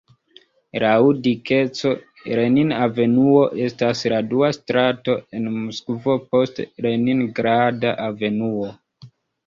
Laŭ dikeco Lenin-avenuo estas la dua strato en Moskvo post Leningrada avenuo.